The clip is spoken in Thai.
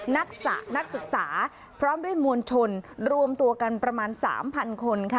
นักศึกษาพร้อมด้วยมวลชนรวมตัวกันประมาณ๓๐๐คนค่ะ